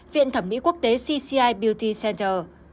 viện thẩm mỹ quốc tế cci beauty center